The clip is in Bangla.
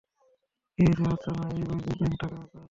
কি হয়েছে আর্চনা, এই বার যে ব্যাংকে টাকা কম জমা লি?